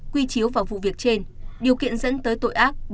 quy chiếu vào vụ việc trên điều kiện dẫn tới tội ác